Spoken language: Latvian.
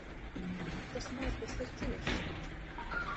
Tas mezgls ir ciešs taču.